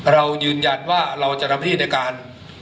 เรายืนยันว่าเราจะทำที่ด้วยการ